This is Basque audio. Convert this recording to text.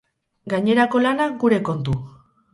Gainerako lana, gure kontu!